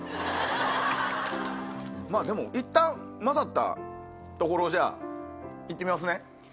でもいったん混ざったところをじゃあ行ってみますね。